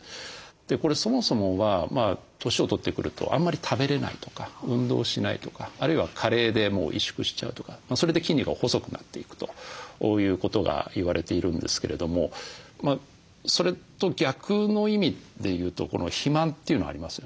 これそもそもは年を取ってくるとあんまり食べれないとか運動しないとかあるいは加齢で萎縮しちゃうとかそれで筋肉が細くなっていくということが言われているんですけれどもそれと逆の意味で言うと肥満というのがありますよね。